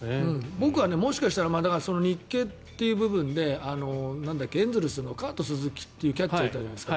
僕は、もしかしたら日系という部分でエンゼルスのカート・スズキというキャッチャーがいたじゃないですか。